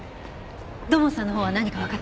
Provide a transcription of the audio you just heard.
土門さんのほうは何かわかった？